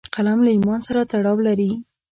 قلم له ایمان سره تړاو لري